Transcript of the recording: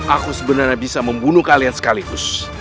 aku sebenarnya bisa membunuh kalian sekaligus